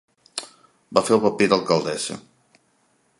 Va fer el paper d'alcaldessa.